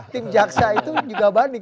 tim jaksa itu juga banding